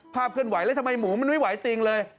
เคลื่อนไหวแล้วทำไมหมูมันไม่ไหวติงเลย